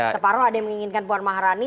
separuh ada yang menginginkan puan maharani